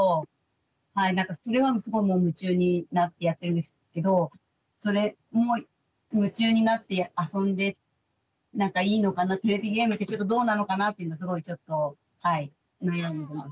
これはもう夢中になってやってるんですけどそれも夢中になってあそんでなんかいいのかなテレビゲームってどうなのかなってすごいちょっとはい悩んでます。